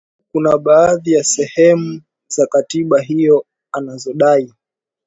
kwa sababu kuna baadhi ya sehemu za katiba hiyo anazodai